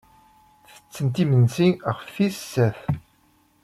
Tettent imensi ɣef tis sat.